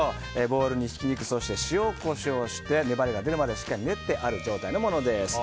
ボウルにひき肉塩、コショウして粘りが出るまでしっかり練ってある状態のものです。